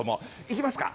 行きますか？